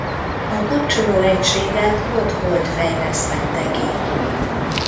A kapcsoló egységet Rod Hold fejlesztette ki.